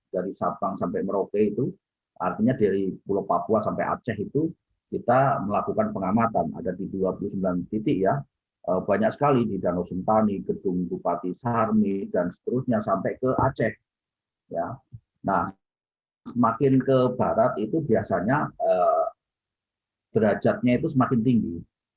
derajatnya itu semakin tinggi